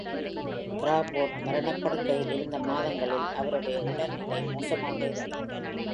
Crawford, மரணப்படுக்கையில் இருந்த மாதங்களில், அவருடைய உடல்நிலை மோசமாக இருந்தது.